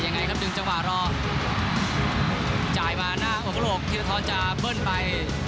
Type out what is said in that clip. ยังไงครับดึงจังหวะรอจ่ายมาหน้าอกโลกธีรทรจะเบิ้ลไป